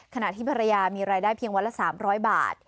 ขณะที่ภรรยามีรายได้เพียงวันละ๓๐๐บาท